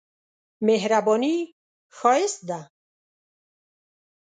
مهرباني ښايست ده.